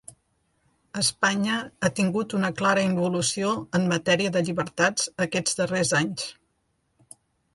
Espanya ha tingut una clara involució en matèria de llibertats aquests darrers anys.